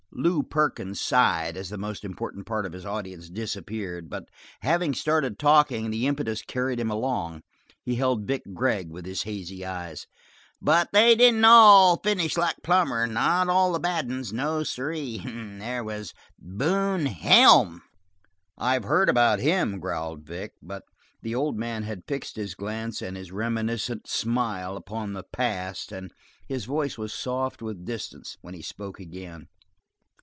Lew Perkins sighed as the most important part of his audience disappeared, but having started talking the impetus carried him along, he held Vic Gregg with his hazy eyes. "But they didn't all finish like Plummer, not all the bad ones. No sirree! There was Boone Helm." "I've heard about him," growled Vic, but the old man had fixed his glance and his reminiscent smile upon the past and his voice was soft with distance when he spoke again.